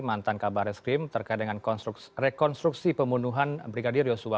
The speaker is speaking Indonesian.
mantan kabar reskrim terkait dengan rekonstruksi pembunuhan brigadir yosua